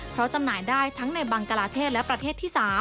เพราะจำหน่ายได้ทั้งในบังกลาเทศและประเทศที่๓